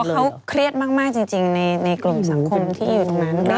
หรือว่าเขาเครียดมากจริงในกรุงสังคมที่อยู่ทางนั้น